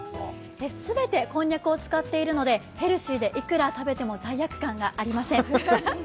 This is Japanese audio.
全てこんにゃくを使っているのでヘルシーで、いくら食べても罪悪感がありません。